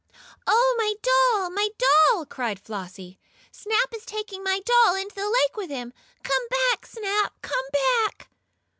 "Oh, my doll! My doll!" cried Flossie. "Snap is taking my doll into the lake with him! Come back, Snap! Come back!"